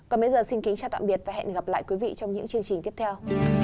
còn bây giờ xin kính chào tạm biệt và hẹn gặp lại quý vị trong những chương trình tiếp theo